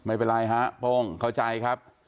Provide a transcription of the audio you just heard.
อ้าวไม่เป็นไรครับโฟงเข้าใจครับ